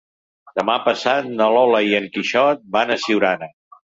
Demà passat na Lola i en Quixot van a Siurana.